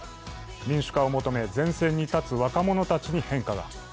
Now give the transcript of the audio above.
民主化を求め前線に立つ若者たちに変化が。